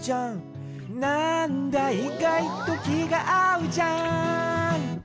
「なんだいがいときがあうじゃん」